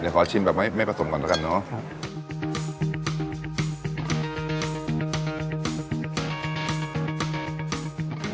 เดี๋ยวขอชิมแบบไม่ผสมก่อนแล้วกันเนาะ